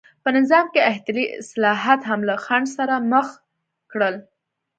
په نظام کې احتلي اصلاحات هم له خنډ سره مخ کړل.